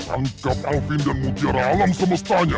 angkat alvin dan mutiara alam semestanya